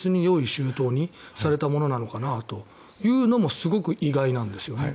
周到にされたのかなというのもすごく意外なんですよね。